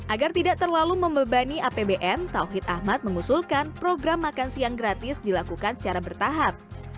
agar tidak terlalu membebani apbn tawhid ahmad mengusulkan program makan siang gratis dilakukan secara bertahap